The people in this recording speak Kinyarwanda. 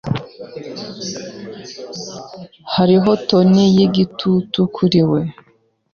Hariho toni y'igitutu kuri we.